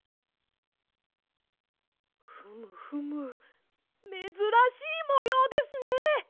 フムフムめずらしいもようですね！